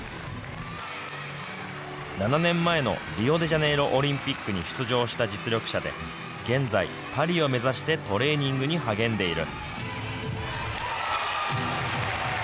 ７年前のリオデジャネイロオリンピックに出場した実力者で、現在、パリを目指してトレーニングに励んでいる。